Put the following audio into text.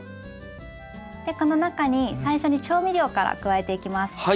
でこの中に最初に調味料から加えていきます。